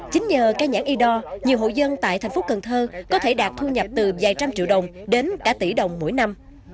chính nhờ cây nhãn y đo nhiều hộ dân tại thành phố cần thơ có thể đạt thu nhập từ vài trăm triệu đồng đến cả tỷ đồng mỗi năm